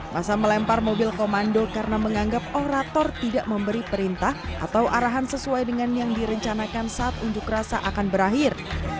masa melempar mobil komando karena menganggap orator tidak memberi perintah atau arahan sesuai dengan yang direncanakan saat unjuk rasa akan berakhir